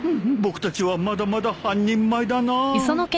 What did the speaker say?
僕たちはまだまだ半人前だな。